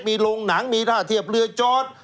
มีโรงหนังมีท่าเทียบเรือจอด